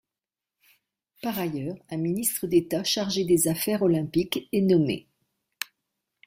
Par ailleurs, un ministre d'État chargé des Affaires olympiques est nommé.